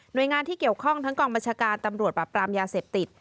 โดยงานที่เกี่ยวข้องทั้งกองบัญชาการตำรวจปรับปรามยาเสพติด